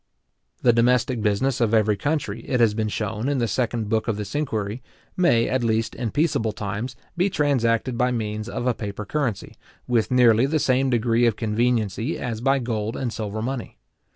The domestic business of every country, it has been shewn in the second book of this Inquiry, may, at least in peaceable times, be transacted by means of a paper currency, with nearly the same degree of conveniency as by gold and silver money.